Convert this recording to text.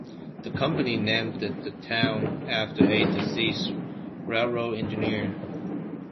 The company named the town after a deceased railroad engineer.